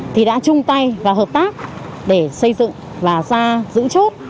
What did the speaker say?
thì đã chung tay và hợp tác để xây dựng và ra giữ chốt